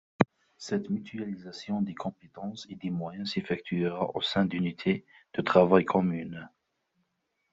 Cette mutualisation des compétences et des moyens s’effectuera au sein d’unités de travail communes.